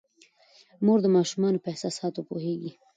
مور د ماشومانو په احساساتو پوهیږي.